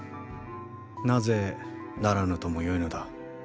なぜならぬともよいのだ？